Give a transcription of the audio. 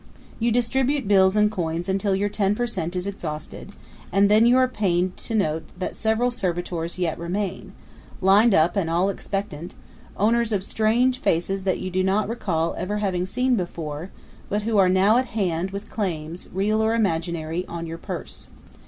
You distribute bills and coins until your ten per cent is exhausted, and then you are pained to note that several servitors yet remain, lined up and all expectant, owners of strange faces that you do not recall ever having seen before, but who are now at hand with claims, real or imaginary, on your purse.